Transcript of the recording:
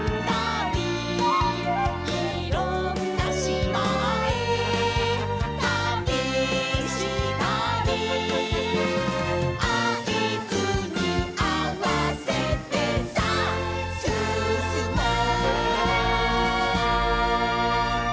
「いろんなしまへたびしたり」「あいずにあわせて、さあ、すすもう」